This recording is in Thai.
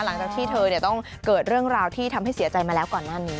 หลังจากที่เธอต้องเกิดเรื่องราวที่ทำให้เสียใจมาแล้วก่อนหน้านี้